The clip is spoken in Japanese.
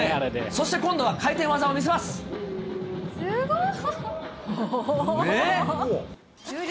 そして今度は回転技を見せますごい。